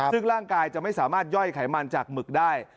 ซึ่งร่างกายจะไม่สามารถย่อยไขมันจากหมึกได้